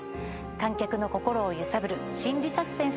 観客の心を揺さぶる心理サスペンスです。